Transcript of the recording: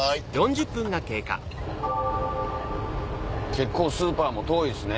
結構スーパーも遠いですね。